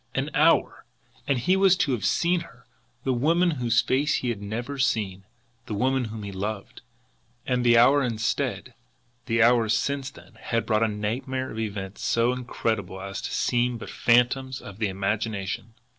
An HOUR and he was to have seen her, the woman whose face he had never seen, the woman whom he loved! And the hour instead, the hours since then, had brought a nightmare of events so incredible as to seem but phantoms of the imagination.